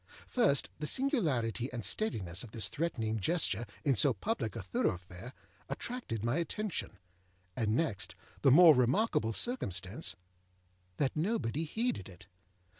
First, the singularity and steadiness of this threatening gesture in so public a thoroughfare attracted my attention; and next, the more remarkable circumstance that nobody heeded it.